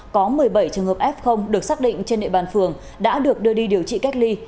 có một mươi bảy trường hợp f được xác định trên địa bàn phường đã được đưa đi điều trị cách ly